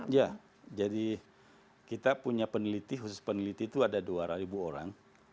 ya jadi kita punya peneliti khusus peneliti itu ada dua orang